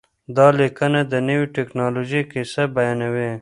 دا لیکنه د نوې ټکنالوژۍ کیسه بیانوي.